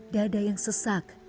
dada yang sesak